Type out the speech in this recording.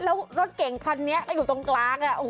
แล้วรถเก่งคันนี้ก็อยู่ตรงกลาง